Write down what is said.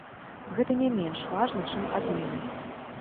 Гэта не менш важна, чым абмены.